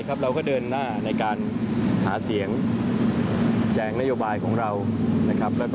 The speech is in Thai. เข้าใจ